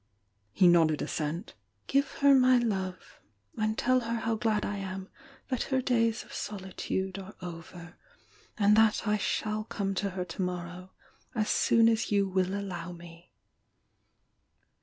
He nodded assent. "Give her my love and tell her how glad I am that her days of solitude are over, and that I shall come to her to morrow as soon as you will allow «...>> me.